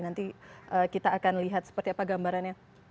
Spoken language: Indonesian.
nanti kita akan lihat seperti apa gambarannya